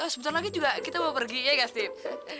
sebentar lagi juga kita mau pergi ya gak sih